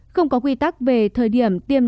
không có quy tắc về thời điểm tiêm